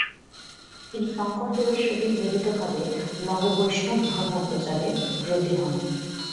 তিনি শংকরদেবের সহিত মিলিতভাবে নববৈষ্ণব ধর্ম প্রচারে ব্রতী হন।